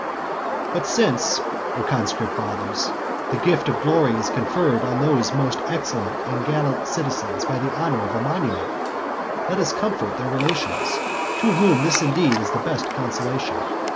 XIII. But since, O conscript fathers, the gift of glory is conferred on these most excellent and gallant citizens by the honour of a monument, let us comfort their relations, to whom this indeed is the best consolation.